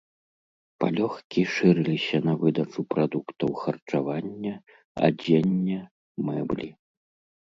Палёгкі шырыліся на выдачу прадуктаў харчавання, адзення, мэблі.